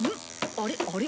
あれあれ？